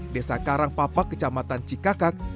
desa karang papak kecamatan cikakak